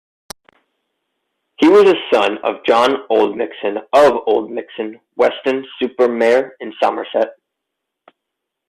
He was a son of John Oldmixon of Oldmixon, Weston-super-Mare in Somerset.